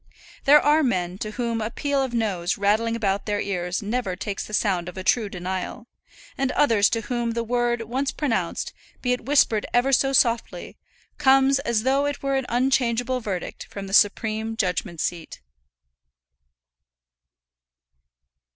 There are men to whom a peal of noes rattling about their ears never takes the sound of a true denial, and others to whom the word once pronounced, be it whispered ever so softly, comes as though it were an unchangeable verdict from the supreme judgment seat.